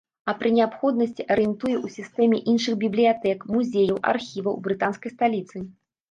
А пры неабходнасці арыентуе ў сістэме іншых бібліятэк, музеяў, архіваў брытанскай сталіцы.